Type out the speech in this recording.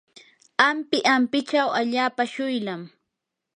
ampi ampichaw allaapa shuylam.